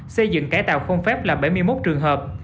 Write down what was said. xây dựng cải tạo không phép là bảy mươi một trường hợp